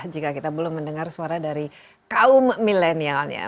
jika kita belum mendengar suara dari kaum milenialnya